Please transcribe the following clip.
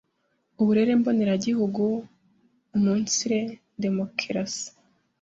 Uburere mboneregihugu umunsiri demokeresi